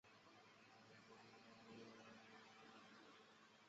而日清贸易研究所是在他死后设立的东亚同文书院的前身。